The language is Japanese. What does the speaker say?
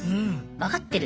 わかってる。